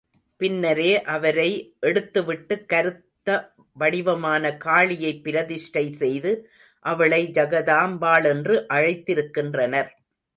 பின்னரே அவரை எடுத்துவிட்டு கருத்த வடிவமான காளியைப் பிரதிஷ்டை செய்து, அவளை ஜகதாம்பாள் என்று அழைத்திருக்கின்றனர்.